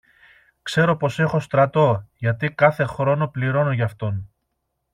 Ξέρω πως έχω στρατό, γιατί κάθε χρόνο πληρώνω γι' αυτόν.